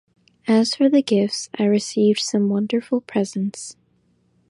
As for the gifts, I received some wonderful presents.